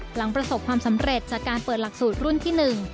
หลังประสบความสำเร็จจากการเปิดหลักสูตรรุ่นที่๑